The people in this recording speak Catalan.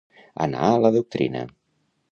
Anar a la doctrina.